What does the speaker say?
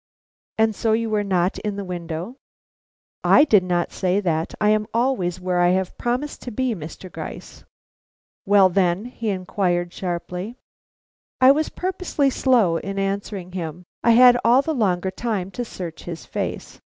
"And so you were not in the window?" "I did not say that; I am always where I have promised to be, Mr. Gryce." "Well, then?" he inquired sharply. I was purposely slow in answering him I had all the longer time to search his face.